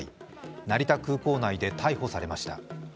成田空港内で逮捕されました。